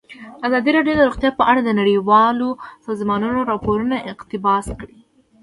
ازادي راډیو د روغتیا په اړه د نړیوالو سازمانونو راپورونه اقتباس کړي.